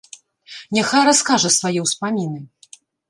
Няхай раскажа свае ўспаміны.